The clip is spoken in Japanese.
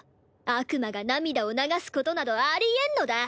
悪魔が涙を流すことなどありえんのだ。